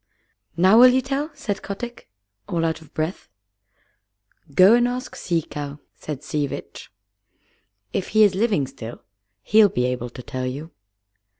"Now will you tell?" said Kotick, all out of breath. "Go and ask Sea Cow," said Sea Vitch. "If he is living still, he'll be able to tell you."